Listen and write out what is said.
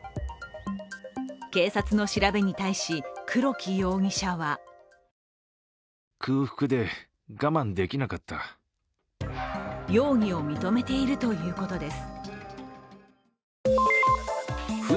警察の調べに対し、黒木容疑者は容疑を認めているということです。